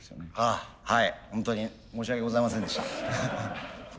ああはいホントに申し訳ございませんでした。